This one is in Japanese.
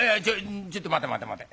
ちょっと待て待て待て。